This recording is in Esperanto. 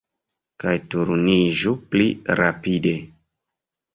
Kaj turniĝu pli rapide!